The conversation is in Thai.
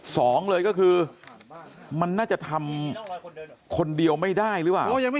สองเลยก็คือมันน่าจะทำคนเดียวไม่ได้หรือเปล่า